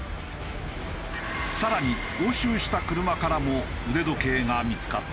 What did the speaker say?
更に押収した車からも腕時計が見付かっている。